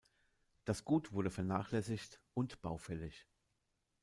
Das Gut wurde vernachlässigt und baufällig.